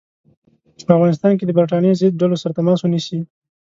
چې په افغانستان کې د برټانیې ضد ډلو سره تماس ونیسي.